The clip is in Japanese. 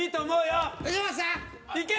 いけ！